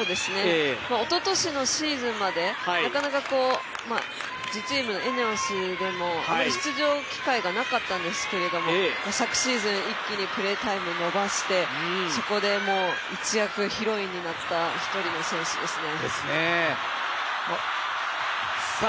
おととしのシーズンまでなかなか、自チーム、ＥＮＥＯＳでもあまり出場機会がなかったんですけども昨シーズン、一気にプレータイム伸ばしてそこで、一躍ヒロインになった一人の選手ですね。